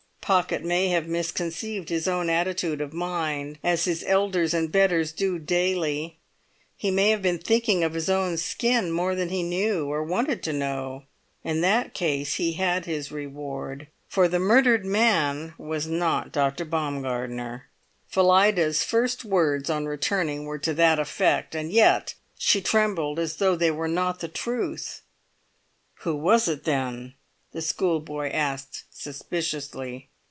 Pocket may have misconceived his own attitude of mind, as his elders and betters do daily; he may have been thinking of his own skin more than he knew, or wanted to know. In that case he had his reward, for the murdered man was not Dr. Baumgartner. Phillida's first words on returning were to that effect; and yet she trembled as though they were not the truth. "Who was it, then?" the schoolboy asked suspiciously.